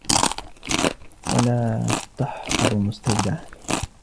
وَلَا تَحْفَظُ مُسْتَوْدَعًا